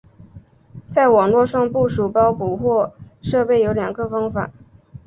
在网络上部署包捕获设备有两个方法。